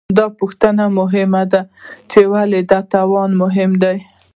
دا پوښتنه مهمه ده، چې ولې دا توان مهم دی؟